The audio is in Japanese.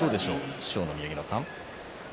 師匠の宮城野さん。